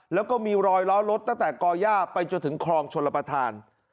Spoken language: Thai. แล้วก็มีรอยล้อรถตั้งแต่ก่อย่าไปจนถึงคลองชลประธาน